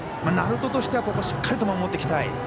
鳴門としてはここはしっかり守っていきたい。